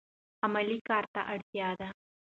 عملي کار ته اړتیا ده.